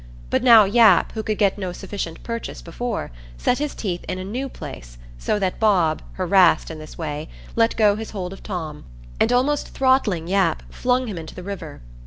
But now Yap, who could get no sufficient purchase before, set his teeth in a new place, so that Bob, harassed in this way, let go his hold of Tom, and, almost throttling Yap, flung him into the river.